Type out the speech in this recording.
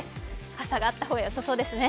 傘があった方がよさそうですね。